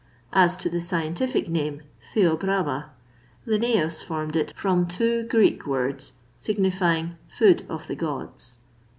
As to the scientific name, theobroma, Linnæus formed it from two Greek words, signifying 'food of the gods.